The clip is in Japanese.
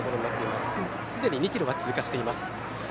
すでに２キロは通過しています。